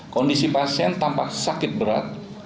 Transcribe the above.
kondisi pasien tampak sakit berat